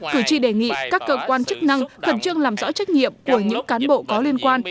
cử tri đề nghị các cơ quan chức năng khẩn trương làm rõ trách nhiệm của những cán bộ có liên quan